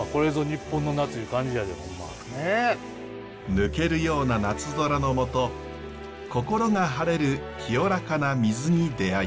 抜けるような夏空のもと心が晴れる清らかな水に出会いました。